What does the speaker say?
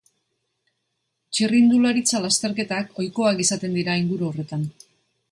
Txirrindularitza lasterketak ohikoak izaten dira inguru horretan.